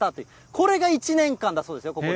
これが１年間だそうですよ、ここ。